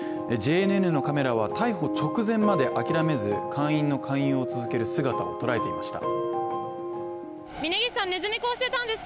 ＪＮＮのカメラは、逮捕直前まで諦めず会員の勧誘を続ける姿を捉えていました。